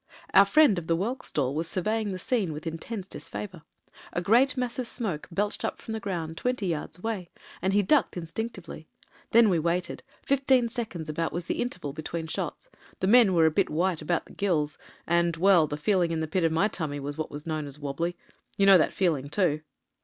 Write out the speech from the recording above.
Our friend of the whelk stall was surveying the scene with intense disfavour. A great mass of smoke belched up from the ground twenty yards away, and he ducked instinctively. Then we waited — ^fifteen seconds about was the interval between shots. The men were a bit white about the gills — ^and, well the feeling in the pit of my tummy was what is known as wobbly. You know that feeling too?"